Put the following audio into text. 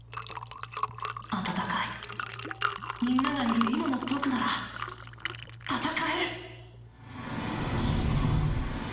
温かいみんながいる今の僕なら戦える！